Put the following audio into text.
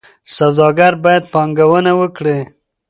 سوداګر باید پانګونه وکړي.